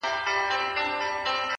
ښه دی چي ونه درېد ښه دی چي روان ښه دی؛